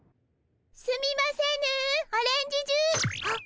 すみませぬオレンジジュハッ！